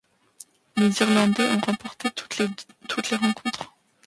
Les Irlandais ont remporté toutes les rencontres.